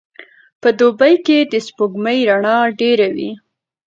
په دوبي کي د سپوږمۍ رڼا ډېره وي.